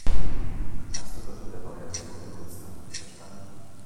Hast du das mit der Variation der Konstanten verstanden?